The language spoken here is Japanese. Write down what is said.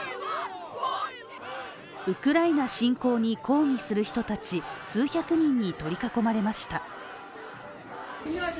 ウクライナ侵攻に抗議する人たち数百人に取り囲まれました。